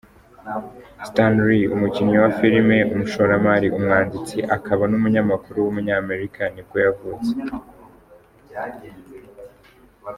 Stan Lee, umukinnyi wa filime, umushoramari, umwanditsi, akaba n’umunyamakuru w’umunyamerika nibwo yavutse.